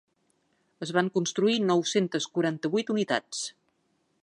Es van construir nou-centes quaranta-vuit unitats.